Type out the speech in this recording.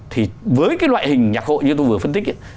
thì với loại hình nhạc hội như tôi vừa phân tích